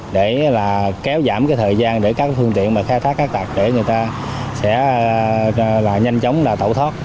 để là kéo giảm cái thời gian để các phương tiện mà khai thác tát trái phép người ta sẽ là nhanh chóng là tẩu thoát